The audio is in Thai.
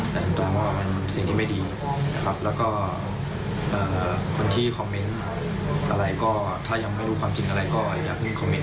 แต่ถูกต้องว่ามันสิ่งที่ไม่ดีนะครับแล้วก็คนที่คอมเมนต์อะไรก็ถ้ายังไม่รู้ความจริงอะไรก็อยากให้คอมเมน